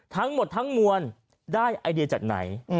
ทั้งหมดทั้งมวลได้ไอเดียจากไหน